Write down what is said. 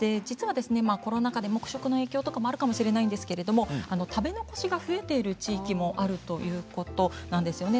今コロナ禍で黙食の影響もあるかもしれませんが食べ残しが増えている地域もあるということなんです。